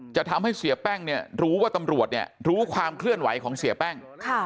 จะทำให้เสียแป้งเนี่ยรู้ว่าตำรวจเนี่ยรู้ความเคลื่อนไหวของเสียแป้ง